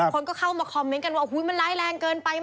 คนเข้ามาคอเมนต์อ่ะมันร้ายแรงเกินไป